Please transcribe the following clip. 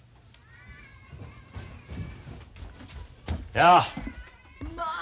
やあ。